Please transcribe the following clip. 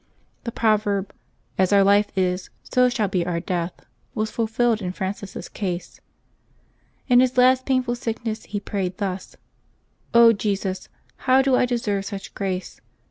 The proverb, " As our life is, so shall be our death," was fulfilled in Francis' case. In his last painful sickness he prayed thus :" Jesus : how do I deserve such grace